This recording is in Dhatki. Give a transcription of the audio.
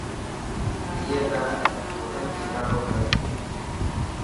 اي نا وزن گهٽاڻو هي.